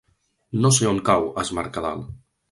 No sé on cau Es Mercadal.